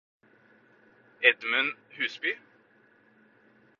Edmund Husby